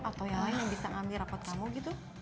atau yang lain yang bisa ambil rapot kamu gitu